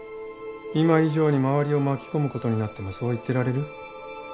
今以上に周りを巻き込むことになってもそう言ってられる？